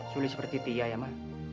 suli seperti tia ya ma